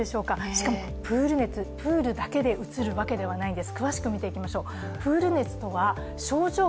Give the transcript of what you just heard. しかもプール熱、プールだけでうつるんじゃないんです。